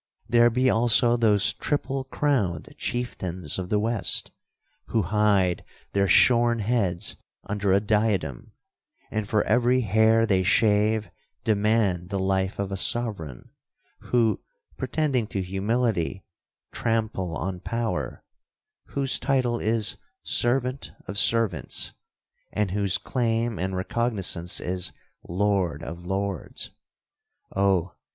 There be also those triple crowned chieftains of the West, who hide their shorn heads under a diadem, and for every hair they shave, demand the life of a sovereign—who, pretending to humility, trample on power—whose title is, Servant of servants—and whose claim and recognizance is, Lord of lords. Oh!